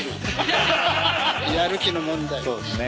そうですね。